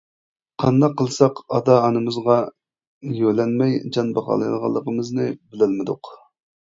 قانداق قىلساق ئاتا-ئانىمىزغا يۆلەنمەي جان باقالايدىغانلىقىمىزنى بىلەلمىدۇق.